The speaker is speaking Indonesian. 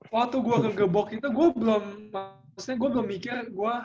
waktu gue kegebok itu gue belum mikir